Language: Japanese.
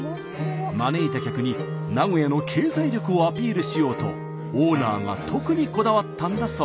招いた客に名古屋の経済力をアピールしようとオーナーが特にこだわったんだそうです。